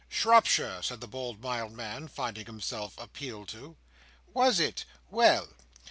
"Shropshire," said the bold mild man, finding himself appealed to. "Was it? Well!